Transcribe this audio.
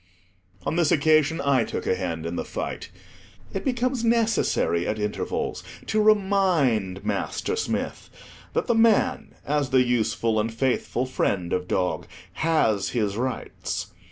On this occasion, I took a hand in the fight. It becomes necessary at intervals to remind Master Smith that the man, as the useful and faithful friend of dog, has his rights.